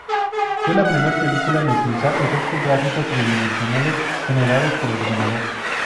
Fue la primera película en utilizar efectos gráficos tridimensionales generados por ordenador.